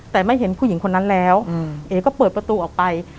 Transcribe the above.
แต่ไม่เห็นผู้หญิงคนนั้นแล้วเอ๋ก็เปิดประตูออกไป